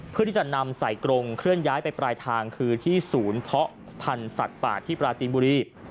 เพื่อที่จะนำใส่กรงเคลื่อนย้ายไปปลายทางคือที่ศูนย์เพาะพันธุ์สัตว์ป่าที่ปราจีนบุรี